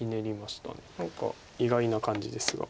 何か意外な感じですが。